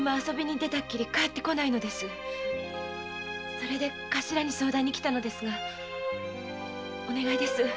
それで頭に相談に来たのですがお願いです。